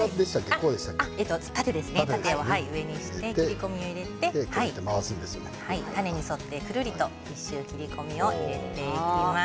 それを上にして切り込みを入れて種に沿って１周、切り込みを入れていきます。